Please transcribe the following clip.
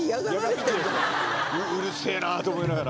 うるせぇなぁと思いながら。